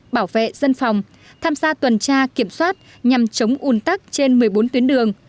bảo vệ dân phòng tham gia tuần tra kiểm soát nhằm chống un tắc trên một mươi bốn tuyến đường